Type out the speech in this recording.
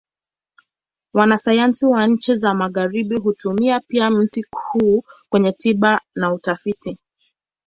Wanasayansi wa nchi za Magharibi hutumia pia mti huu kwenye tiba na utafiti.